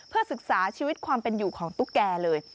ศึกษาชีวิตความเป็นอยู่ของตุ๊กแกเลย